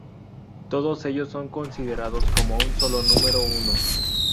Todos ellos son considerados como un solo número uno.